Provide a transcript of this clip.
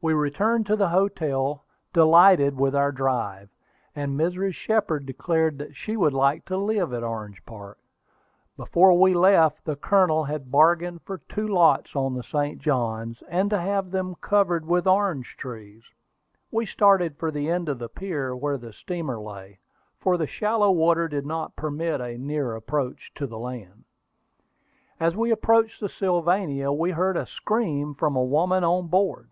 We returned to the hotel, delighted with our drive, and Mrs. Shepard declared that she should like to live at Orange Park. Before we left, the Colonel had bargained for two lots on the St. Johns, and to have them covered with orange trees. We started for the end of the pier where the steamer lay, for the shallow water did not permit a near approach to the land. As we approached the Sylvania, we heard a scream from a woman on board.